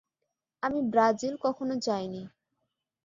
আমি ব্রাজিল কখনো যাইনি।